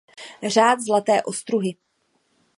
Řád zlaté ostruhy.